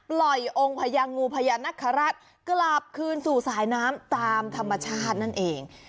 องค์พญางูพญานคราชกลับคืนสู่สายน้ำตามธรรมชาตินั่นเอง